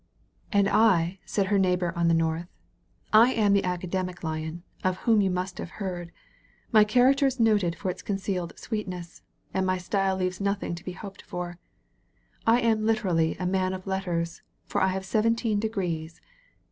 "And I," said her neighbor on the north, "I am the Academic Lion, of whom you must have heard. My character is noted for its concealed sweetness, and my style leaves nothing to be hoped for. I am literally a man of letters, for I have seventeen degrees.